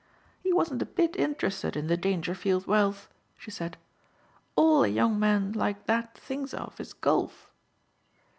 "He wasn't a bit interested in the Dangerfield wealth," she said. "All a young man like that thinks of is golf."